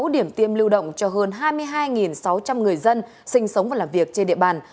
sáu điểm tiêm lưu động cho hơn hai mươi hai sáu trăm linh người dân sinh sống và làm việc trên địa bàn